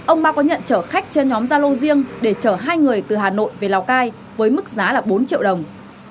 ông ba có nhận chở khách trên nhóm giao lô riêng để chở hai người từ hà nội về lào cai với mức giá bốn triệu đồng